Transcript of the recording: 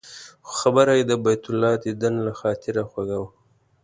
خو خبره یې د بیت الله دیدن له خاطره خوږه وه.